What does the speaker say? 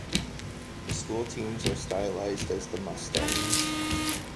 The school teams are stylized as the Mustangs.